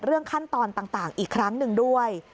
ขั้นตอนต่างอีกครั้งหนึ่งด้วย